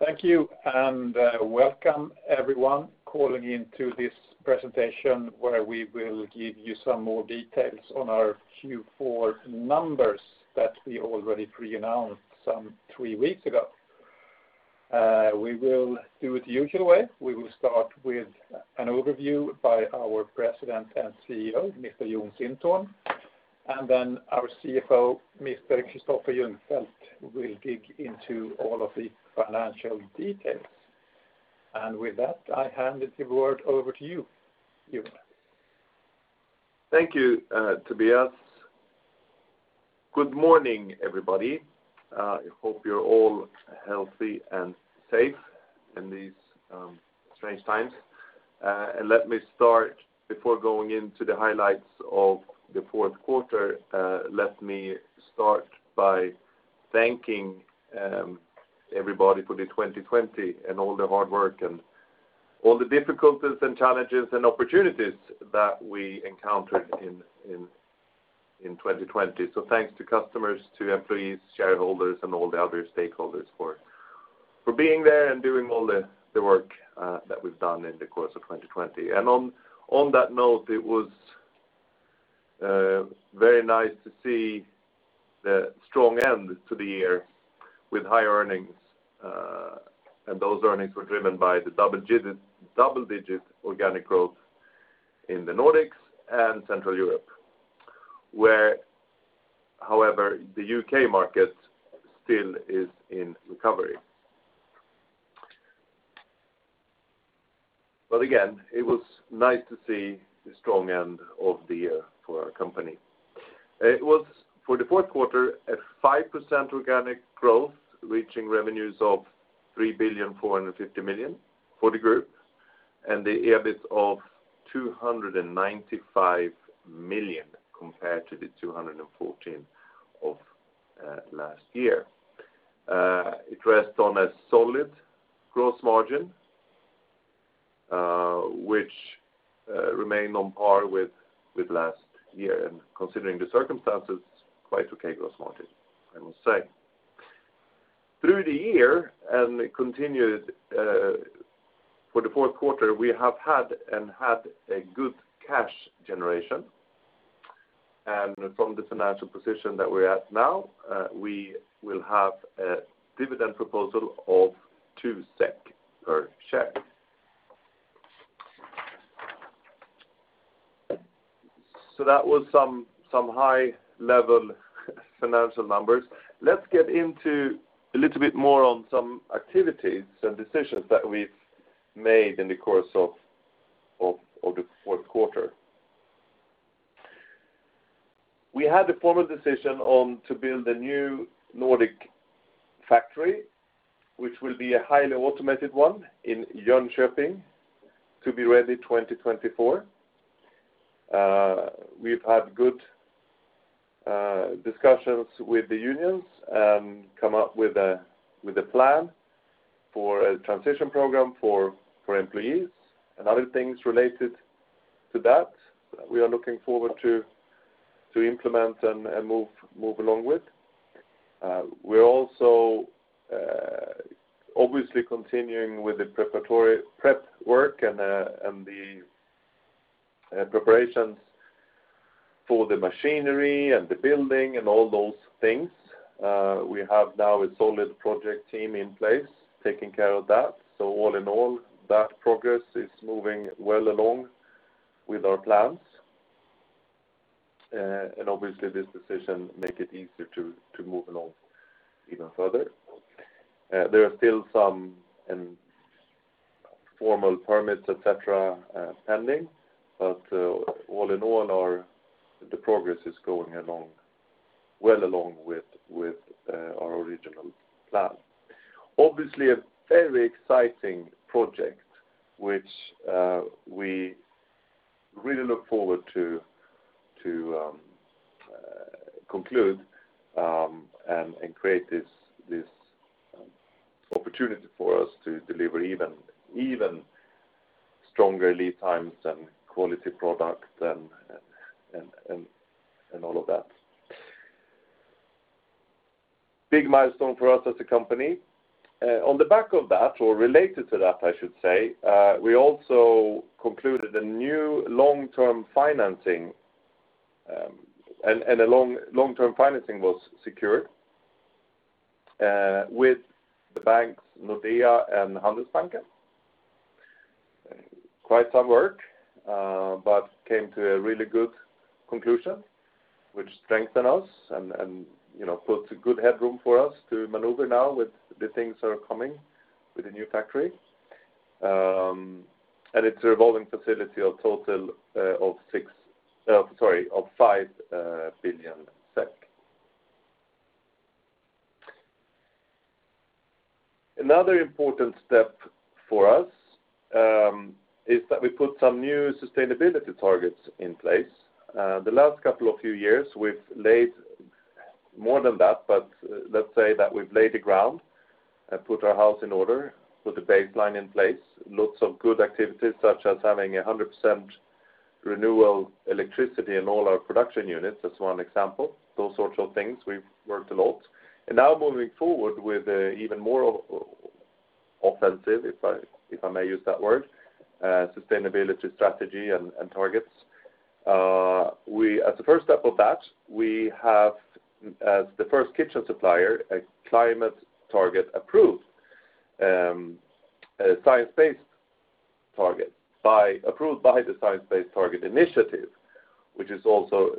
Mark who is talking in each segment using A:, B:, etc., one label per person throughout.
A: Thank you, welcome everyone calling into this presentation, where we will give you some more details on our Q4 numbers that we already pre-announced some three weeks ago. We will do it the usual way. We will start with an overview by our President and CEO, Mr. Jon Sintorn, then our CFO, Mr. Kristoffer Ljungfelt, will dig into all of the financial details. With that, I hand the word over to you, Jon.
B: Thank you, Tobias. Good morning, everybody. I hope you're all healthy and safe in these strange times. Before going into the highlights of the fourth quarter, let me start by thanking everybody for the 2020 and all the hard work and all the difficulties and challenges and opportunities that we encountered in 2020. Thanks to customers, to employees, shareholders, and all the other stakeholders for being there and doing all the work that we've done in the course of 2020. On that note, it was very nice to see the strong end to the year with high earnings, and those earnings were driven by the double-digit organic growth in the Nordics and Central Europe, where, however, the U.K. market still is in recovery. Again, it was nice to see the strong end of the year for our company. It was, for the fourth quarter, a 5% organic growth, reaching revenues of 3.45 billion for the group, and the EBIT of 295 million compared to 214 million of last year. It rests on a solid gross margin, which remained on par with last year, and considering the circumstances, quite okay gross margin, I must say. Through the year, and it continued for the fourth quarter, we have had a good cash generation. From the financial position that we're at now, we will have a dividend proposal of 2 SEK per share. That was some high-level financial numbers. Let's get into a little bit more on some activities and decisions that we've made in the course of the fourth quarter. We had the formal decision to build a new Nordic factory, which will be a highly automated one in Jönköping to be ready 2024. We've had good discussions with the unions and come up with a plan for a transition program for employees and other things related to that we are looking forward to implement and move along with. We're also obviously continuing with the prep work and the preparations for the machinery and the building and all those things. We have now a solid project team in place taking care of that. All in all, that progress is moving well along with our plans. Obviously, this decision make it easier to move along even further. There are still some formal permits, et cetera, pending. All in all, the progress is going well along with our original plan. Obviously, a very exciting project which we really look forward to conclude and create this opportunity for us to deliver even stronger lead times and quality product and all of that. Big milestone for us as a company. On the back of that, or related to that, I should say, we also concluded a new long-term financing. A long-term financing was secured with the banks Nordea and Handelsbanken. Quite some work, came to a really good conclusion, which strengthen us and puts a good headroom for us to maneuver now with the things that are coming with the new factory. It's a revolving facility of total of 5 billion SEK. Another important step for us is that we put some new sustainability targets in place. The last couple of few years, we've laid more than that, let's say that we've laid the ground, put our house in order, put the baseline in place. Lots of good activities, such as having 100% renewable electricity in all our production units is one example. Those sorts of things we've worked a lot. Now moving forward with even more offensive, if I may use that word, sustainability strategy and targets. As a first step of that, we have, as the first kitchen supplier, a climate target approved, a science-based target approved by the Science Based Targets initiative, which is also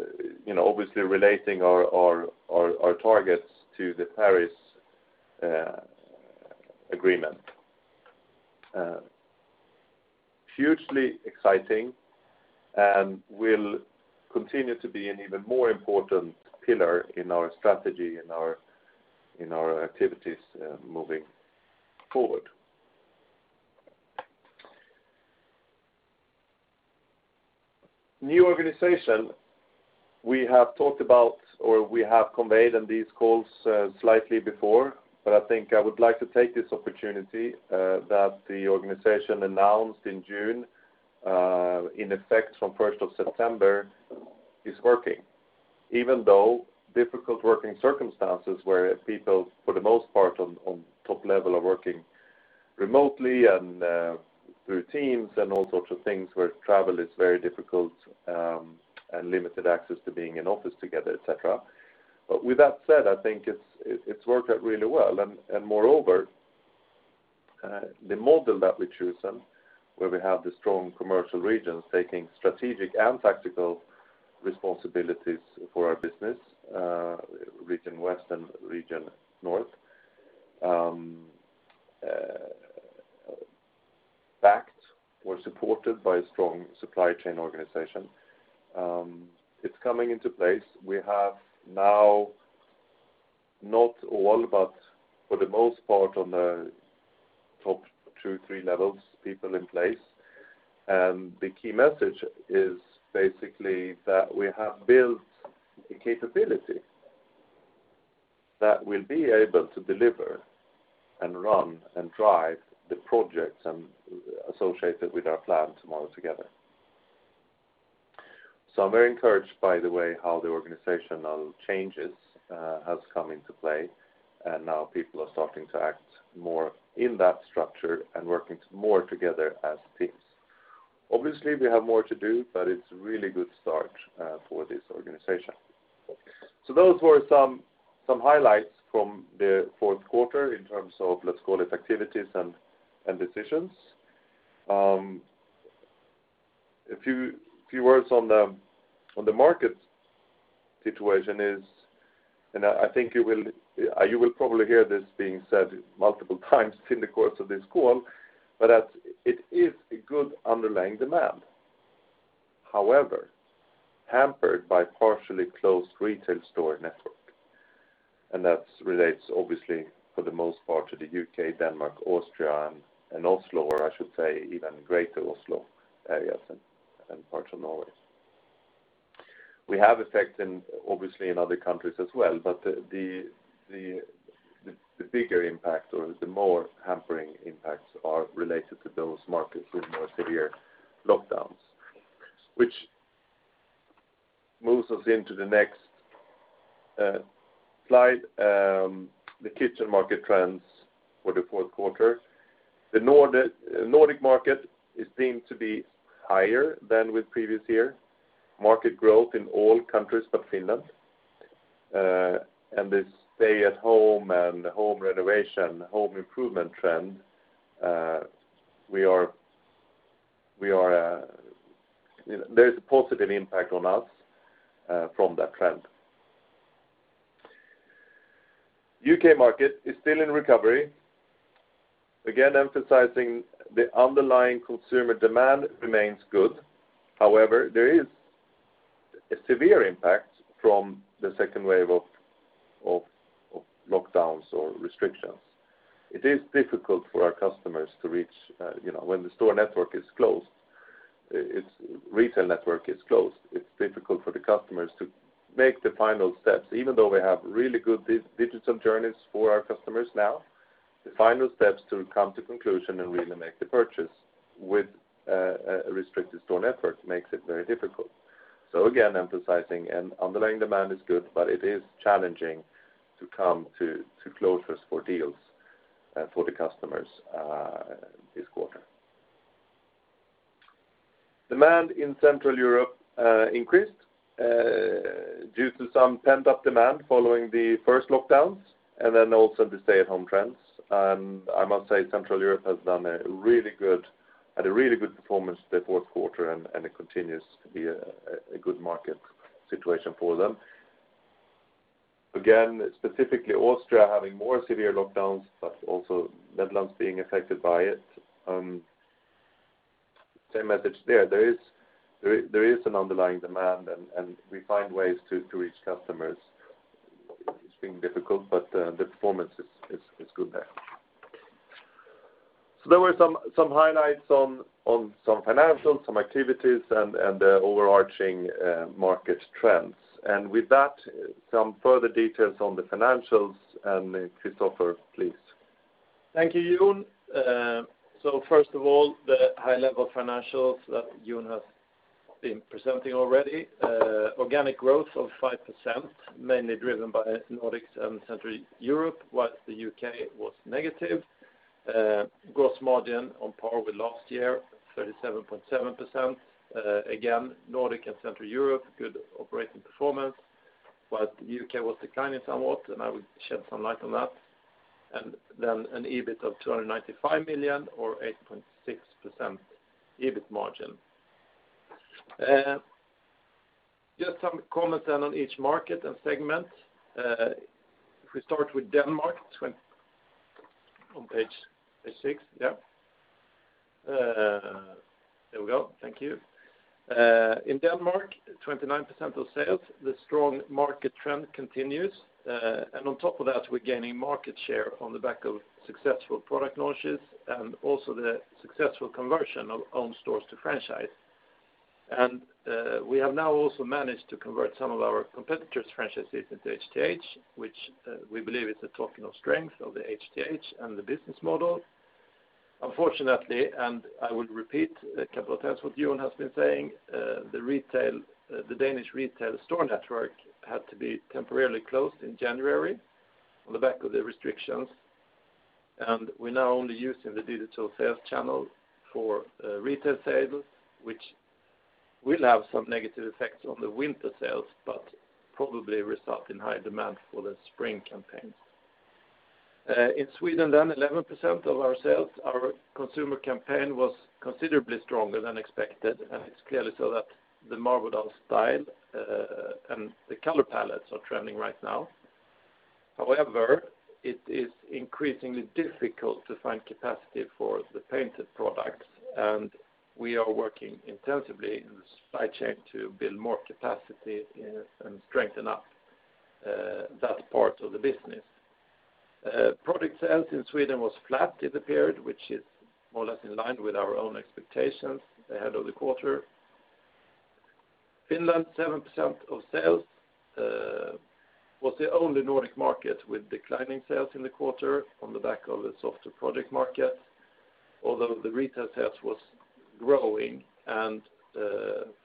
B: obviously relating our targets to the Paris Agreement. Hugely exciting and will continue to be an even more important pillar in our strategy, in our activities moving forward. New organization we have talked about, or we have conveyed on these calls slightly before, but I think I would like to take this opportunity that the organization announced in June, in effect from 1st of September, is working. Even though difficult working circumstances where people, for the most part on top level, are working remotely and through Teams and all sorts of things where travel is very difficult, and limited access to being in office together, et cetera. With that said, I think it's worked out really well. Moreover, the model that we've chosen, where we have the strong commercial regions taking strategic and tactical responsibilities for our business, Region West and Region North, backed or supported by a strong supply chain organization. It's coming into place. We have now not all, but for the most part on the top two, three levels, people in place. The key message is basically that we have built a capability that will be able to deliver and run and drive the projects associated with our plan Tomorrow Together. I'm very encouraged by the way how the organizational changes has come into play, and now people are starting to act more in that structure and working more together as teams. Obviously, we have more to do, but it's a really good start for this organization. Those were some highlights from the fourth quarter in terms of, let's call it, activities and decisions. A few words on the market situation, and I think you will probably hear this being said multiple times in the course of this call, but that it is a good underlying demand. However, hampered by partially closed retail store network. That relates obviously for the most part to the U.K., Denmark, Austria, and Oslo, or I should say even greater Oslo areas and parts of Norway. We have effect obviously in other countries as well, but the bigger impact or the more hampering impacts are related to those markets with more severe lockdowns. Moves us into the next slide, the kitchen market trends for the fourth quarter. The Nordic market is deemed to be higher than with previous year. Market growth in all countries but Finland. The stay-at-home and the home renovation, home improvement trend, there is a positive impact on us from that trend. U.K. market is still in recovery. Again, emphasizing the underlying consumer demand remains good. However, there is a severe impact from the second wave of lockdowns or restrictions. It is difficult for our customers when the store network is closed, its retail network is closed, it's difficult for the customers to make the final steps. Even though we have really good digital journeys for our customers now, the final steps to come to conclusion and really make the purchase with a restricted store network makes it very difficult. Again, emphasizing an underlying demand is good, but it is challenging to come to closures for deals for the customers this quarter. Demand in Central Europe increased due to some pent-up demand following the first lockdowns, also the stay-at-home trends. I must say, Central Europe had a really good performance the fourth quarter, and it continues to be a good market situation for them. Again, specifically Austria having more severe lockdowns, but also Netherlands being affected by it. Same message there. There is an underlying demand, and we find ways to reach customers. It's been difficult, but the performance is good there. There were some highlights on some financials, some activities, and the overarching market trends. With that, some further details on the financials, and Kristoffer, please.
C: Thank you, Jon. First of all, the high-level financials that Jon has been presenting already. Organic growth of 5%, mainly driven by Nordics and Central Europe, whilst the U.K. was negative. Gross margin on par with last year, 37.7%. Again, Nordic and Central Europe, good operating performance, but the U.K. was declining somewhat, and I will shed some light on that. Then an EBIT of 295 million or 8.6% EBIT margin. Just some comments then on each market and segment. If we start with Denmark on page six. There we go. Thank you. In Denmark, 29% of sales, the strong market trend continues. On top of that, we're gaining market share on the back of successful product launches and also the successful conversion of own stores to franchise. We have now also managed to convert some of our competitors' franchises into HTH, which we believe is a token of strength of the HTH and the business model. Unfortunately, I will repeat a couple of times what Jon has been saying, the Danish retail store network had to be temporarily closed in January on the back of the restrictions, we're now only using the digital sales channel for retail sales, which will have some negative effects on the winter sales, but probably result in high demand for the spring campaigns. In Sweden, 11% of our sales, our consumer campaign was considerably stronger than expected, it's clearly so that the Marbodal style and the color palettes are trending right now. It is increasingly difficult to find capacity for the painted products, and we are working intensively in the supply chain to build more capacity and strengthen up that part of the business. Project sales in Sweden was flat in the period, which is more or less in line with our own expectations ahead of the quarter. Finland, 7% of sales, was the only Nordic market with declining sales in the quarter on the back of a softer project market. The retail sales was growing, and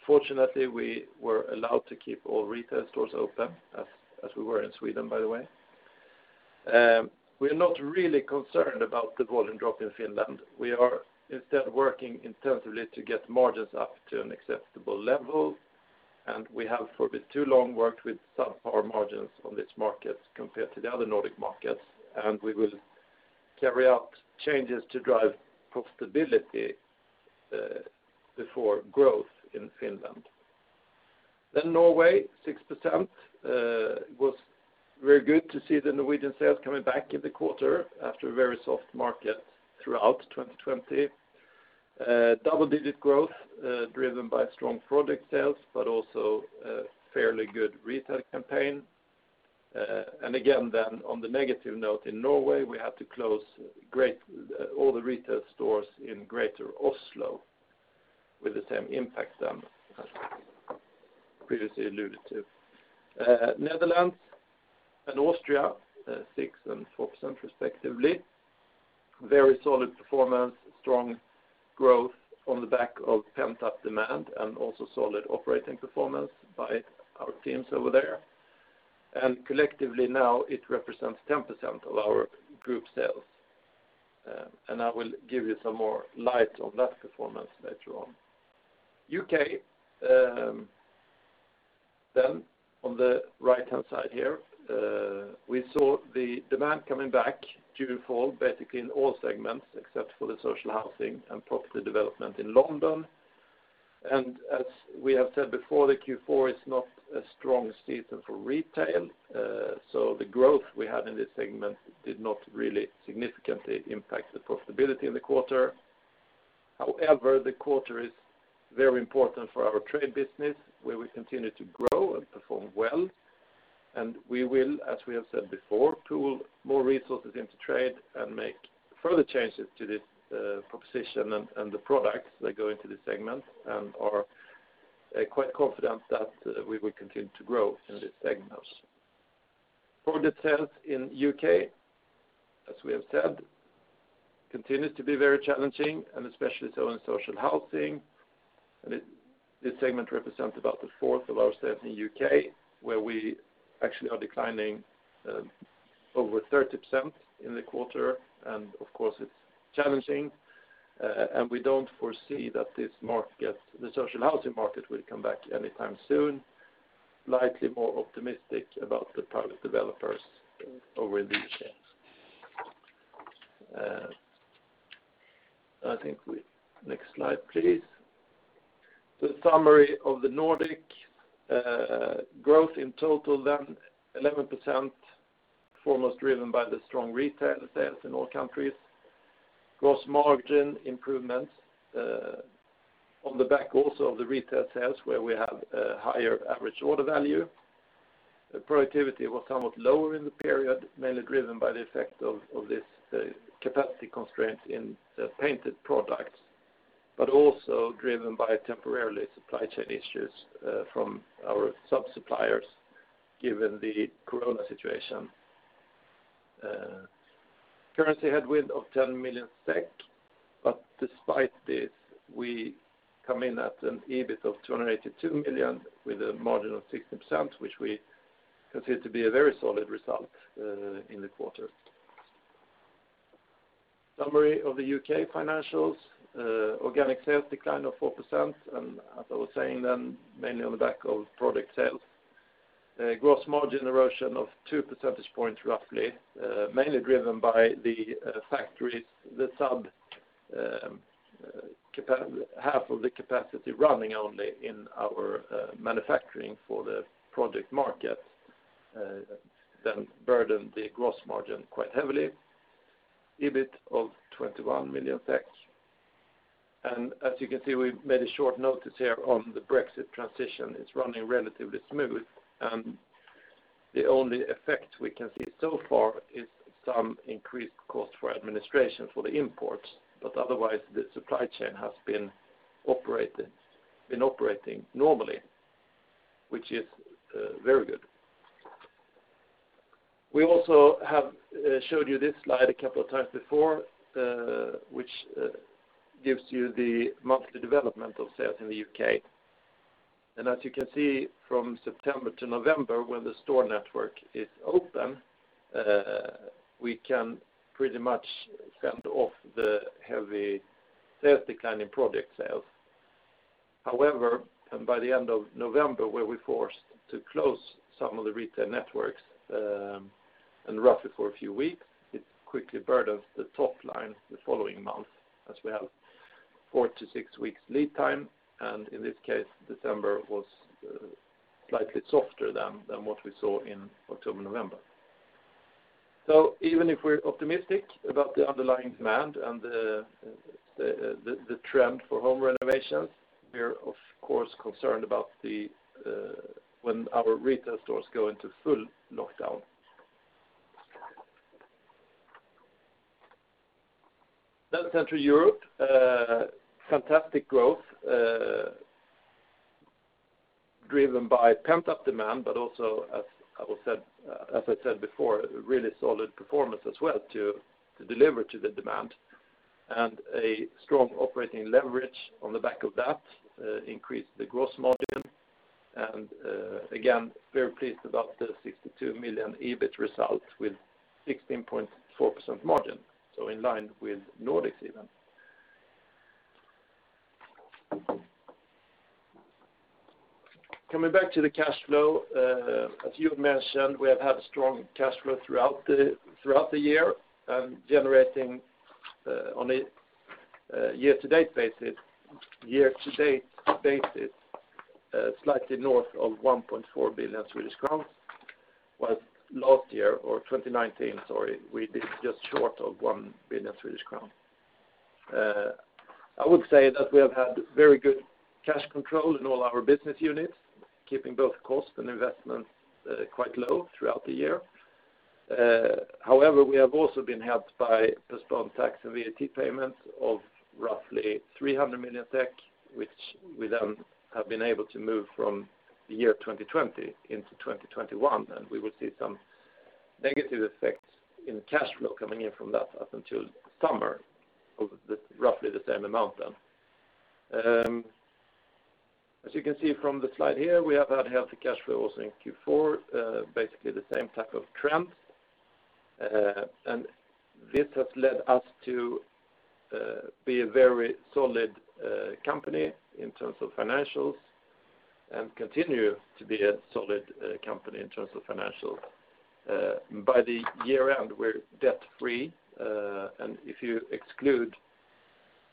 C: fortunately, we were allowed to keep all retail stores open as we were in Sweden, by the way. We are not really concerned about the volume drop in Finland. We are instead working intensively to get margins up to an acceptable level, we have for a bit too long worked with subpar margins on this market compared to the other Nordic markets, we will carry out changes to drive profitability before growth in Finland. Norway, 6%, was very good to see the Norwegian sales coming back in the quarter after a very soft market throughout 2020. Double-digit growth driven by strong project sales, also a fairly good retail campaign. Again, then on the negative note in Norway, we had to close all the retail stores in greater Oslo with the same impact as previously alluded to. Netherlands and Austria, 6% and 4% respectively. Very solid performance, strong growth on the back of pent-up demand and also solid operating performance by our teams over there. Collectively now it represents 10% of our group sales. I will give you some more light on that performance later on. U.K. on the right-hand side here, we saw the demand coming back during fall, basically in all segments except for the social housing and property development in London. As we have said before, the Q4 is not a strong season for retail. The growth we had in this segment did not really significantly impact the profitability in the quarter. However, the quarter is very important for our trade business, where we continue to grow and perform well. We will, as we have said before, tool more resources into trade and make further changes to this proposition and the products that go into this segment and are quite confident that we will continue to grow in this segment. Project sales in U.K., as we have said, continues to be very challenging and especially so in social housing. This segment represents about 1/4 of our sales in the U.K., where we actually are declining over 30% in the quarter. Of course, it's challenging. We don't foresee that the social housing market will come back anytime soon. Slightly more optimistic about the private developers over in these sales. I think next slide, please. The summary of the Nordic growth in total then 11%, foremost driven by the strong retail sales in all countries. Gross margin improvements on the back also of the retail sales where we have a higher average order value. Productivity was somewhat lower in the period, mainly driven by the effect of this capacity constraint in painted products. Also driven by temporarily supply chain issues from our sub-suppliers, given the Corona situation. Currency headwind of 10 million SEK. Despite this, we come in at an EBIT of 282 million, with a margin of 16%, which we consider to be a very solid result in the quarter. Summary of the U.K. financials. Organic sales decline of 4%, as I was saying then, mainly on the back of project sales. Gross margin erosion of 2 percentage points roughly, mainly driven by the factories, the sub half of the capacity running only in our manufacturing for the project market, that then burdened the gross margin quite heavily. EBIT of 21 million. As you can see, we made a short notice here on the Brexit transition. It's running relatively smooth. The only effect we can see so far is some increased cost for administration for the imports, but otherwise, the supply chain has been operating normally, which is very good. We also have showed you this slide a couple of times before, which gives you the monthly development of sales in the U.K. As you can see, from September to November, when the store network is open, we can pretty much fend off the heavy sales decline in project sales. However, by the end of November, where we're forced to close some of the retail networks and roughly for a few weeks, it quickly burdens the top line the following month as we have 4-6 weeks lead time, and in this case, December was slightly softer than what we saw in October, November. Even if we're optimistic about the underlying demand and the trend for home renovations, we're of course concerned about when our retail stores go into full lockdown. Central Europe. Fantastic growth driven by pent-up demand, but also, as I said before, really solid performance as well to deliver to the demand. A strong operating leverage on the back of that increased the gross margin, and again, very pleased about the 62 million EBIT result with 16.4% margin. In line with Nordics even. Coming back to the cash flow, as Jon mentioned, we have had strong cash flow throughout the year, and generating on a year-to-date basis, slightly north of 1.4 billion Swedish crowns, while last year or 2019, sorry, we did just short of 1 billion Swedish crown. I would say that we have had very good cash control in all our business units, keeping both costs and investments quite low throughout the year. However, we have also been helped by postponed tax and VAT payments of roughly 300 million, which we then have been able to move from the year 2020 into 2021. We will see some negative effects in cash flow coming in from that up until summer, of roughly the same amount then. As you can see from the slide here, we have had healthy cash flows in Q4, basically the same type of trends. This has led us to be a very solid company in terms of financials, and continue to be a solid company in terms of financials. By the year-round, we're debt-free. If you exclude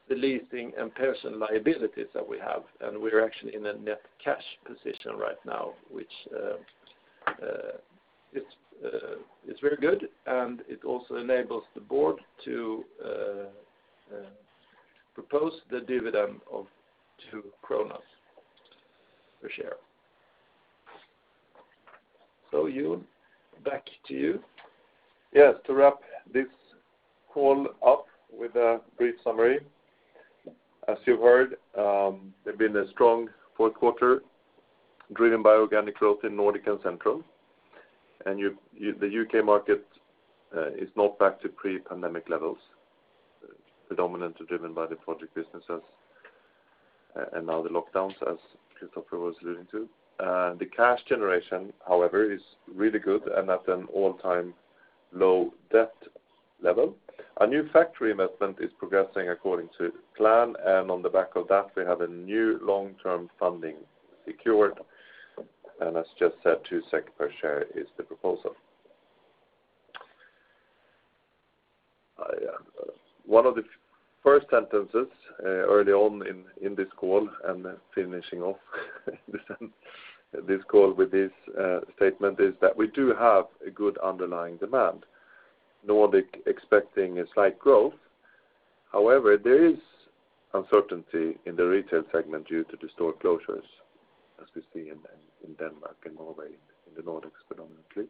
C: the leasing and pension liabilities that we have, and we are actually in a net cash position right now, which is very good, and it also enables the board to propose the dividend of SEK two per share. Jon, back to you.
B: Yes. To wrap this call up with a brief summary. As you heard, there's been a strong fourth quarter driven by organic growth in Nordic and Central. The U.K. market is not back to pre-pandemic levels, predominantly driven by the project businesses and now the lockdowns, as Kristoffer was alluding to. The cash generation, however, is really good and at an all-time low debt level. Our new factory investment is progressing according to plan, and on the back of that, we have a new long-term funding secured. As just said, 2 SEK per share is the proposal. One of the first sentences early on in this call and finishing off this call with this statement is that we do have a good underlying demand. Nordic expecting a slight growth. There is uncertainty in the retail segment due to the store closures, as we see in Denmark and Norway, in the Nordics predominantly.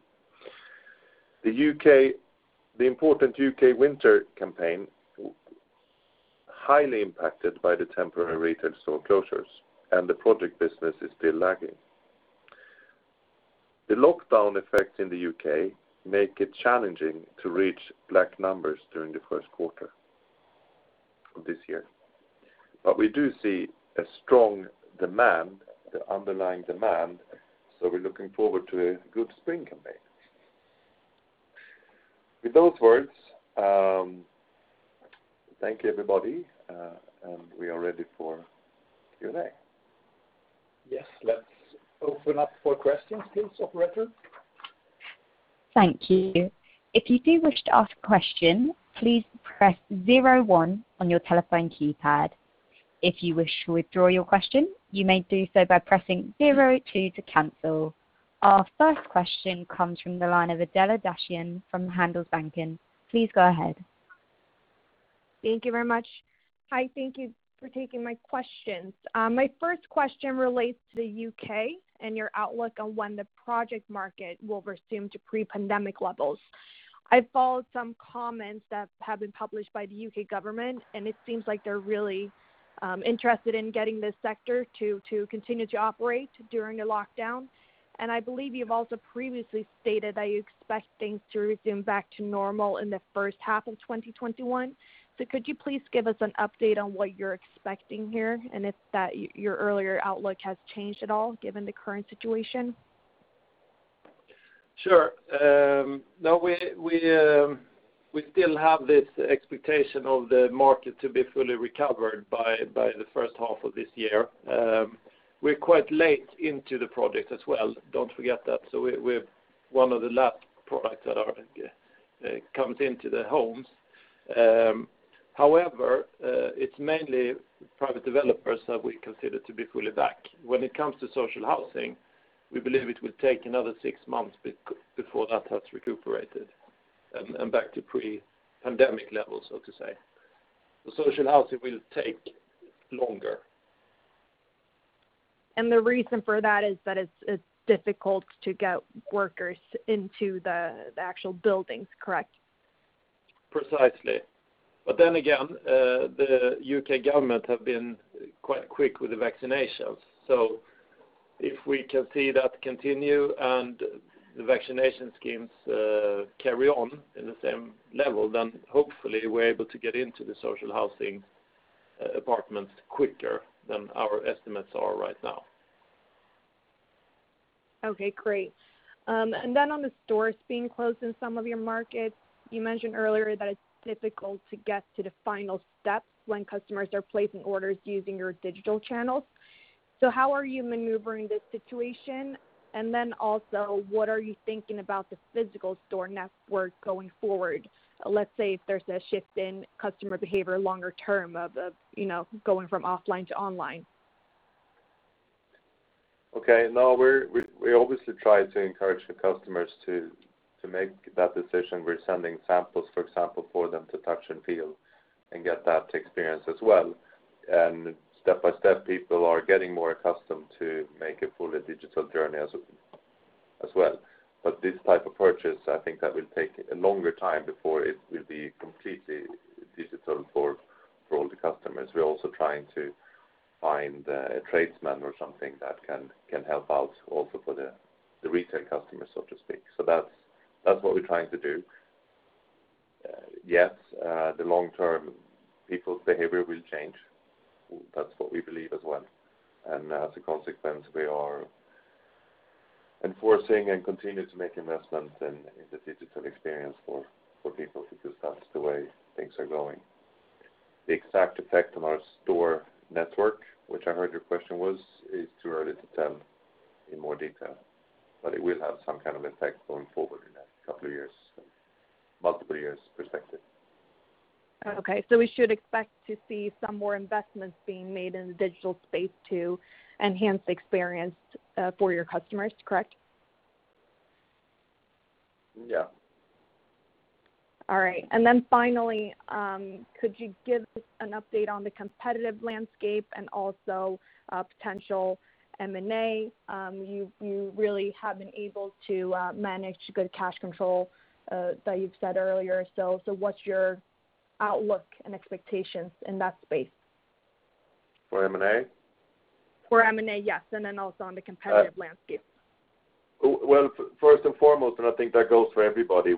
B: The important U.K. winter campaign, highly impacted by the temporary retail store closures, and the project business is still lagging. The lockdown effect in the U.K. make it challenging to reach black numbers during the first quarter of this year. We do see a strong underlying demand, we're looking forward to a good spring campaign. With those words, thank you everybody, we are ready for Q&A. Yes. Let's open up for questions, please, operator.
D: Thank you. Our first question comes from the line of Adela Dashian from Handelsbanken. Please go ahead.
E: Thank you very much. Hi, thank you for taking my questions. My first question relates to the U.K. and your outlook on when the project market will resume to pre-pandemic levels. I followed some comments that have been published by the U.K. government, it seems like they're really interested in getting this sector to continue to operate during the lockdown. I believe you've also previously stated that you expect things to resume back to normal in the first half of 2021. Could you please give us an update on what you're expecting here, and if your earlier outlook has changed at all given the current situation?
C: Sure. No, we still have this expectation of the market to be fully recovered by the first half of this year. We're quite late into the project as well, don't forget that. We're one of the last products that comes into the homes. It's mainly private developers that we consider to be fully back. When it comes to social housing, we believe it will take another six months before that has recuperated and back to pre-pandemic levels, so to say. The social housing will take longer.
E: The reason for that is that it's difficult to get workers into the actual buildings, correct?
C: Precisely. Then again, the U.K. government have been quite quick with the vaccinations. If we can see that continue and the vaccination schemes carry on in the same level, hopefully we're able to get into the social housing apartments quicker than our estimates are right now.
E: Okay, great. On the stores being closed in some of your markets, you mentioned earlier that it's difficult to get to the final steps when customers are placing orders using your digital channels. How are you maneuvering this situation? Also, what are you thinking about the physical store network going forward? Let's say if there's a shift in customer behavior longer term of going from offline to online.
B: Okay. No, we obviously try to encourage the customers to make that decision. We're sending samples, for example, for them to touch and feel and get that experience as well. Step by step, people are getting more accustomed to make a fully digital journey as well. This type of purchase, I think that will take a longer time before it will be completely digital for all the customers. We're also trying to find a tradesman or something that can help out also for the retail customer, so to speak. That's what we're trying to do. Yes, the long-term people's behavior will change. That's what we believe as well. As a consequence, we are enforcing and continue to make investments in the digital experience for people, because that's the way things are going. The exact effect on our store network, which I heard your question was, is too early to tell in more detail, but it will have some kind of effect going forward in a couple of years, multiple years perspective.
E: Okay. We should expect to see some more investments being made in the digital space to enhance the experience for your customers, correct?
C: Yeah.
E: All right. Finally, could you give us an update on the competitive landscape and also potential M&A? You really have been able to manage good cash control, that you've said earlier. What's your outlook and expectations in that space?
C: For M&A?
E: For M&A, yes, and then also on the competitive landscape.
C: Well, first and foremost, and I think that goes for everybody,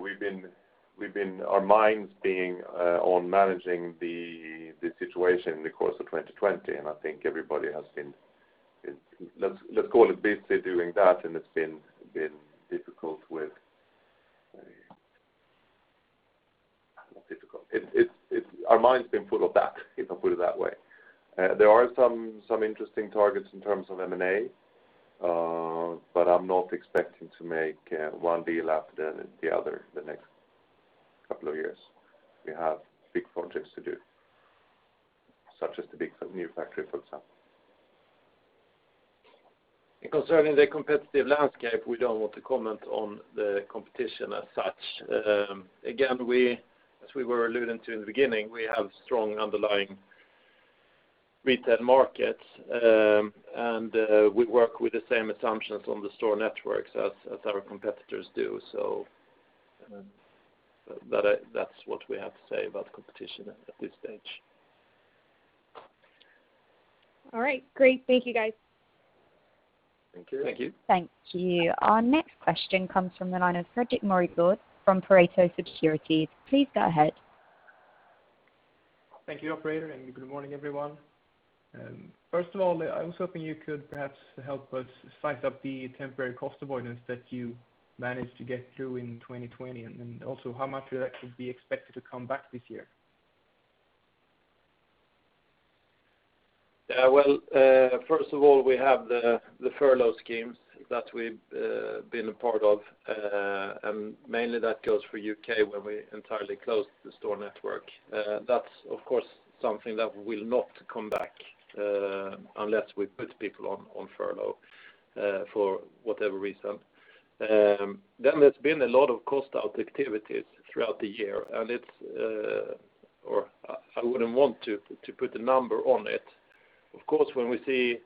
C: our minds being on managing the situation in the course of 2020, and I think everybody has been, let's call it, busy doing that. Our mind's been full of that, if I put it that way. There are some interesting targets in terms of M&A. I'm not expecting to make one deal after the other the next couple of years. We have big projects to do, such as the big new factory, for example. Concerning the competitive landscape, we don't want to comment on the competition as such. Again, as we were alluding to in the beginning, we have strong underlying retail markets. We work with the same assumptions on the store networks as our competitors do. That's what we have to say about competition at this stage.
E: All right. Great. Thank you, guys.
C: Thank you.
D: Thank you. Our next question comes from the line of Fredrik Moregård from Pareto Securities. Please go ahead.
F: Thank you operator, and good morning, everyone. First of all, I was hoping you could perhaps help us size up the temporary cost avoidance that you managed to get through in 2020, and then also how much of that could be expected to come back this year?
C: First of all, we have the furlough schemes that we've been a part of. Mainly that goes for U.K., where we entirely closed the store network. That's of course, something that will not come back, unless we put people on furlough for whatever reason. There's been a lot of cost out activities throughout the year, and I wouldn't want to put a number on it. Of course, when we see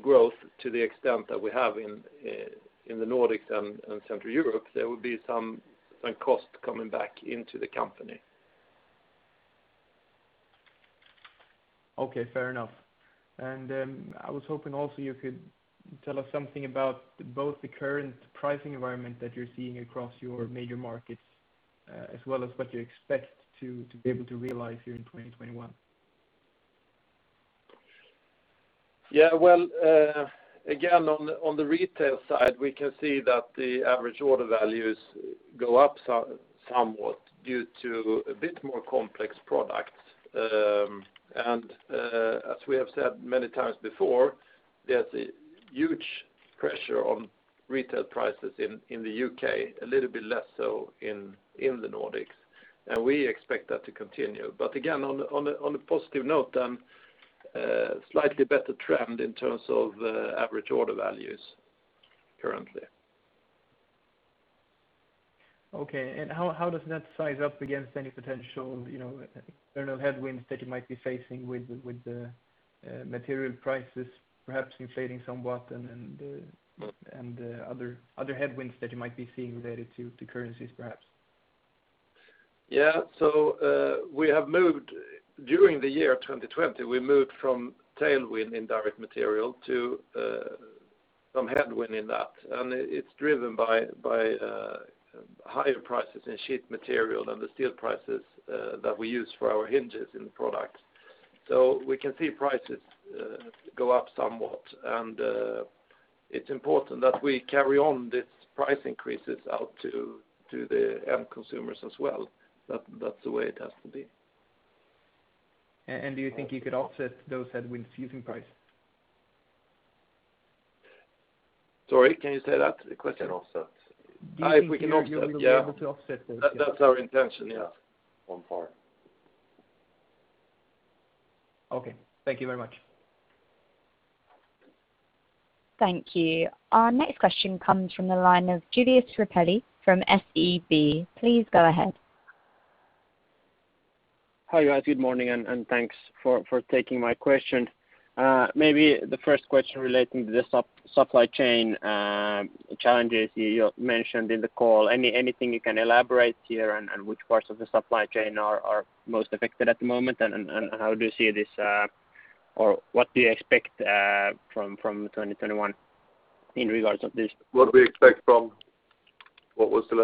C: growth to the extent that we have in the Nordics and Central Europe, there will be some cost coming back into the company.
F: Okay, fair enough. I was hoping also you could tell us something about both the current pricing environment that you're seeing across your major markets, as well as what you expect to be able to realize here in 2021.
C: Yeah. Well, again, on the retail side, we can see that the average order values go up somewhat due to a bit more complex products. As we have said many times before, there's a huge pressure on retail prices in the U.K., a little bit less so in the Nordics. We expect that to continue. Again, on a positive note, slightly better trend in terms of average order values currently.
F: Okay. How does that size up against any potential external headwinds that you might be facing with the material prices perhaps inflating somewhat and other headwinds that you might be seeing related to currencies perhaps?
C: Yeah. During the year 2020, we moved from tailwind in direct material to some headwind in that, and it's driven by higher prices in sheet material than the steel prices that we use for our hinges in the product. We can see prices go up somewhat, and it's important that we carry on these price increases out to the end consumers as well. That's the way it has to be.
F: Do you think you could offset those headwinds using price?
C: Sorry, can you say that? The question.
B: Can offset.
C: If we can offset, yeah.
F: Do you think you will be able to offset those headwinds?
C: That's our intention, yeah. On par.
F: Okay. Thank you very much.
D: Thank you. Our next question comes from the line of Julius Rapeli from SEB. Please go ahead.
G: Hi, you guys. Good morning, and thanks for taking my question. Maybe the first question relating to the supply chain challenges you mentioned in the call. Anything you can elaborate here and which parts of the supply chain are most affected at the moment? How do you see this, or what do you expect from 2021 in regards of this?
B: What we expect from?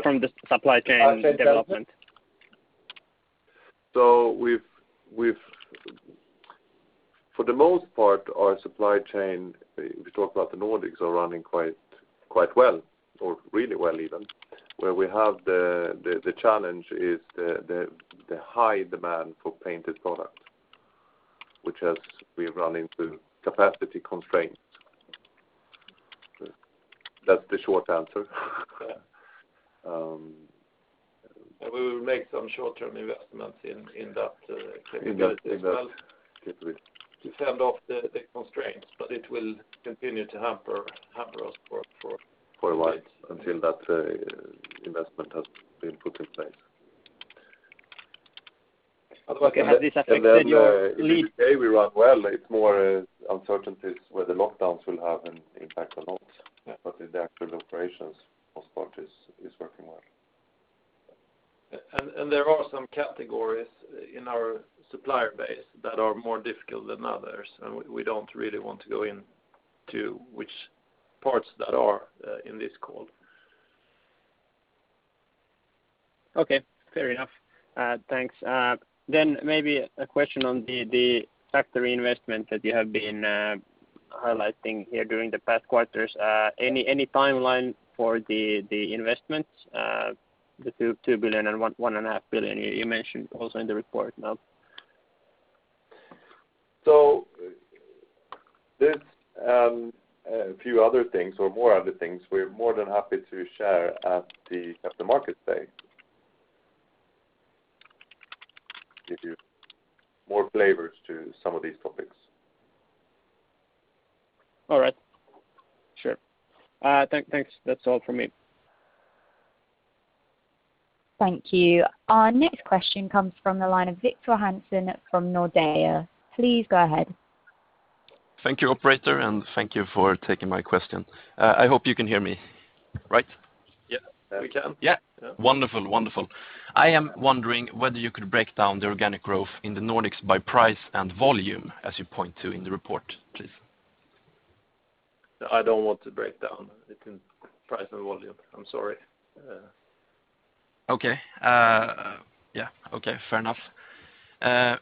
G: From the supply chain development.
B: Supply chain development? For the most part, our supply chain, if we talk about the Nordics, are running quite well or really well even. Where we have the challenge is the high demand for painted product, which as we have run into capacity constraints. That's the short answer.
C: We will make some short-term investments in that category as well.
B: In that category.
C: To fend off the constraints, but it will continue to hamper us.
B: For a while until that investment has been put in place.
G: Okay. Has this affected your lead-
B: In the U.K., we run well. It's more uncertainties where the lockdowns will have an impact or not. In the actual operations, most part is working well.
C: There are some categories in our supplier base that are more difficult than others, and we don't really want to go into which parts that are in this call.
G: Okay. Fair enough. Thanks. Maybe a question on the factory investment that you have been highlighting here during the past quarters. Any timeline for the investments? The 2 billion and 1.5 billion you mentioned also in the report now.
B: There's a few other things, or more other things, we're more than happy to share at the Market Day. Give you more flavors to some of these topics.
G: All right. Sure. Thanks. That's all from me.
D: Thank you. Our next question comes from the line of Victor Hansen from Nordea. Please go ahead.
H: Thank you, operator, and thank you for taking my question. I hope you can hear me. Right?
C: Yeah. Yeah, we can.
H: Yeah. Wonderful. I am wondering whether you could break down the organic growth in the Nordics by price and volume, as you point to in the report, please.
C: I don't want to break down it in price and volume. I'm sorry.
H: Okay. Yeah, okay. Fair enough.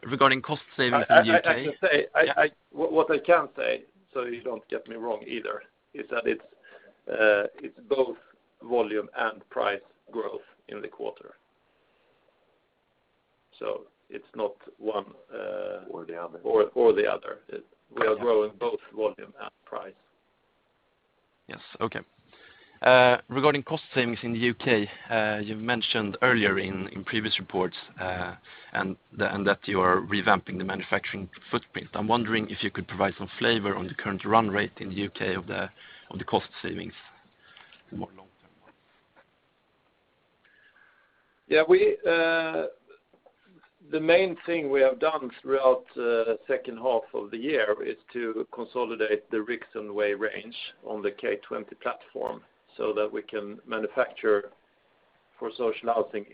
H: Regarding cost savings in the U.K.-
C: I can say-
H: Yeah
C: What I can say, so you don't get me wrong either, is that it's both volume and price growth in the quarter.
B: The other
C: Or the other. We are growing both volume and price.
H: Yes. Okay. Regarding cost savings in the U.K., you mentioned earlier in previous reports and that you are revamping the manufacturing footprint. I am wondering if you could provide some flavor on the current run rate in the U.K. of the cost savings, the more long-term ones.
C: Yeah. The main thing we have done throughout the second half of the year is to consolidate the Rixonway range on the K20 platform so that we can manufacture for social housing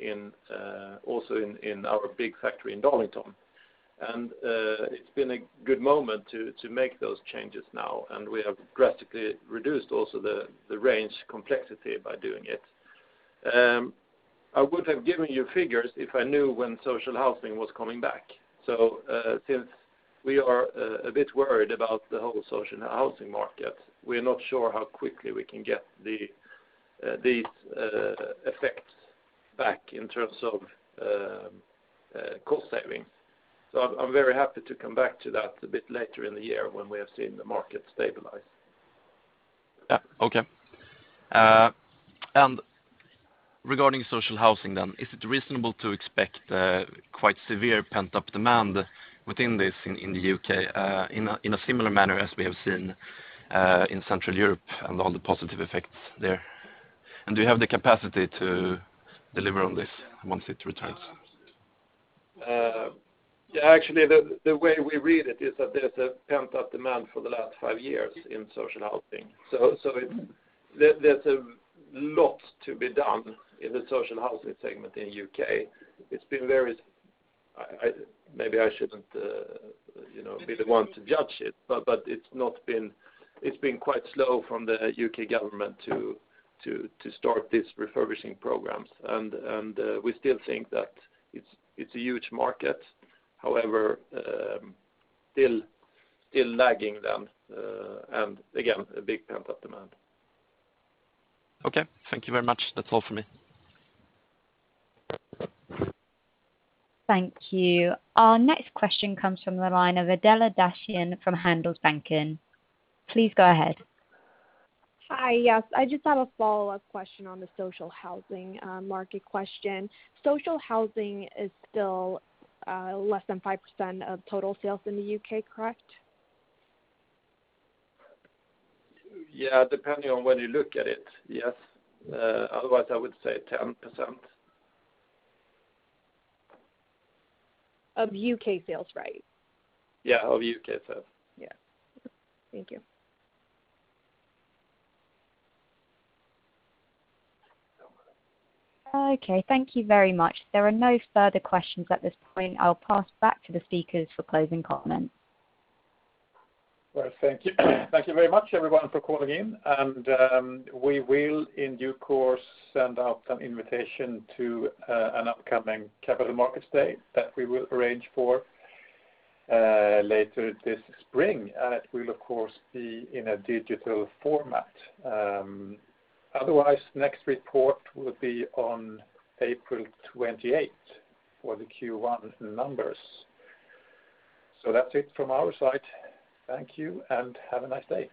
C: also in our big factory in Darlington. It's been a good moment to make those changes now. We have drastically reduced also the range complexity by doing it. I would have given you figures if I knew when social housing was coming back. Since we are a bit worried about the whole social housing market, we are not sure how quickly we can get these effects back in terms of cost savings. I'm very happy to come back to that a bit later in the year when we have seen the market stabilize.
H: Yeah. Okay. Regarding social housing then, is it reasonable to expect quite severe pent-up demand within this in the U.K., in a similar manner as we have seen in Central Europe and all the positive effects there? Do you have the capacity to deliver on this once it returns?
C: Actually, the way we read it is that there's a pent-up demand for the last five years in social housing. There's a lot to be done in the social housing segment in U.K. Maybe I shouldn't be the one to judge it, but it's been quite slow from the U.K. government to start these refurbishing programs, and we still think that it's a huge market. Still lagging them, and again, a big pent-up demand.
H: Okay. Thank you very much. That's all for me.
D: Thank you. Our next question comes from the line of Adela Dashian from Handelsbanken. Please go ahead.
E: Hi. Yes. I just have a follow-up question on the social housing market question. Social housing is still less than 5% of total sales in the U.K., correct?
C: Yeah. Depending on when you look at it, yes. Otherwise, I would say 10%.
E: Of U.K. sales, right?
C: Yeah. Of U.K. sales.
E: Yeah. Thank you.
D: Okay. Thank you very much. There are no further questions at this point. I'll pass back to the speakers for closing comments.
C: Well, thank you very much, everyone, for calling in. We will, in due course, send out an invitation to an upcoming Capital Markets Day that we will arrange for later this spring, and it will of course be in a digital format. Otherwise, next report will be on April 28th for the Q1 numbers. That's it from our side. Thank you, and have a nice day